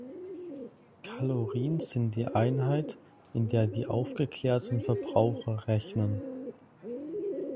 Kalorien sind die Einheit, in der die aufgeklärten Verbraucher rechnen.